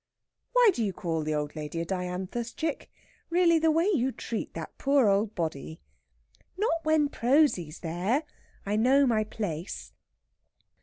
"Why do you call the old lady a dianthus, chick? Really, the way you treat that poor old body!..." "Not when Prosy's there. I know my place....